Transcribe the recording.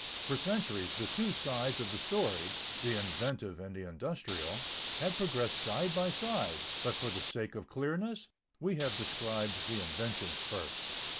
For centuries the two sides of the story, the inventive and the industrial, had progressed side by side, but for the sake of clearness, we have described the inventions first.